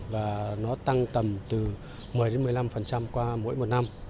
và nó tăng tầm từ một mươi một mươi năm qua mỗi một năm